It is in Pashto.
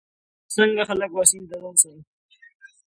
څنګه خلک واکسین ته وهڅوو؟